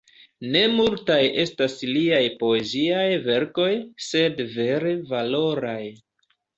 Ne multaj estas liaj poeziaj verkoj, sed vere valoraj.